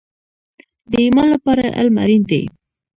د ایمان لپاره علم اړین دی